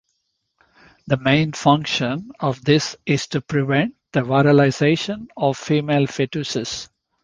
The main function of this is to prevent the virilization of female fetuses.